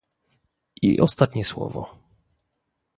I ostatnie słowo